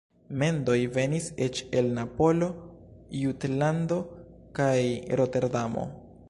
Mendoj venis eĉ el Napolo, Jutlando kaj Roterdamo.